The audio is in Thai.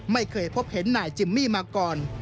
ไม่เคยพบเห็นนายจิมมี่มาก่อน